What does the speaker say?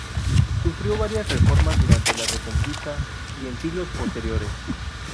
Sufrió varias reformas durante la Reconquista y en siglos posteriores.